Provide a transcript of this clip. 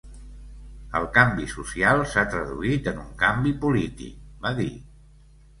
El canvi social s’ha traduït en un canvi polític, va dir.